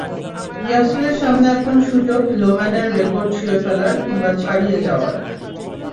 ইয়াসিরের সামনে এখন সুযোগ লোম্যানের রেকর্ড ছুঁয়ে ফেলার কিংবা ছাড়িয়ে যাওয়ার।